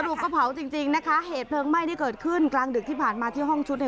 ปะเผาจริงจริงนะคะเหตุเพลิงไหม้ที่เกิดขึ้นกลางดึกที่ผ่านมาที่ห้องชุดเนี่ย